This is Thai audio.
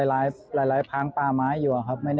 กลายเห็นว่าเวลาการเครียดด้วยใช่ไหม